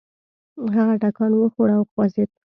هغه ټکان وخوړ او وخوځېد.